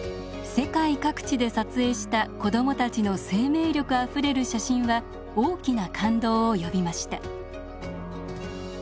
世界各地で撮影した子どもたちの生命力あふれる写真は大きな感動を呼びました。